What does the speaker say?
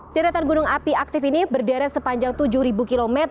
deretan gunung api aktif ini berderet sepanjang tujuh km